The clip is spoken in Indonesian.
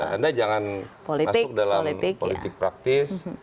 anda jangan masuk dalam politik praktis